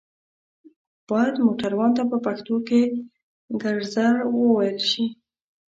بايد موټروان ته په پښتو کې ګرځر ووئيل شي